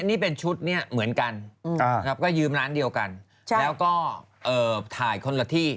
นี่เป็นชุดเนี่ยเหมือนกันก็ยืมร้านเดียวกันแล้วก็ถ่ายคนละที่